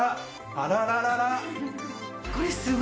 あらららら。